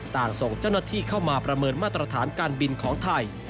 ส่งเจ้าหน้าที่เข้ามาประเมินมาตรฐานการบินของไทย